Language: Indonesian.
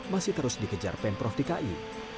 masih terus dikejar pemprov dki